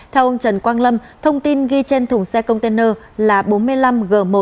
theo ông trần quang lâm thông tin ghi trên thùng xe container là bốn mươi năm g một